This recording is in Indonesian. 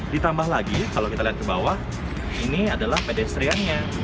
ditambah lagi kalau kita lihat ke bawah ini adalah pedestriannya